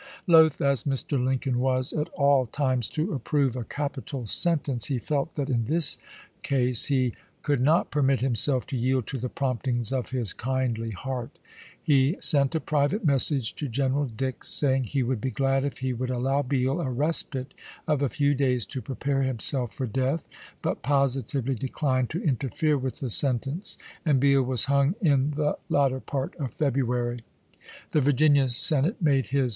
Loath as Mr. Lincoln was at all times to approve a capital sentence, he felt that in this case he could not permit himself to yield to the promptings of his kindly heart. He sent a private message to General Dix, saying he would be glad if he would allow Beall a respite of a few days to prepare him self for death, but positively declined to interfere with the sentence, and Beall was hung in the latter CONSPIEACIES IN THE NOETH 21 part of February. The Virginia Senate made his chap.